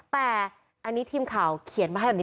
แต่อันนี้ทีมข่าวเขียนมาให้แบบนี้